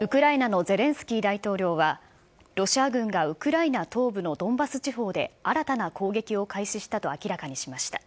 ウクライナのゼレンスキー大統領は、ロシア軍がウクライナ東部のドンバス地方で新たな攻撃を開始したと明らかにしました。